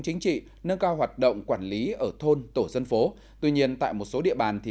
chính trị nâng cao hoạt động quản lý ở thôn tổ dân phố tuy nhiên tại một số địa bàn thì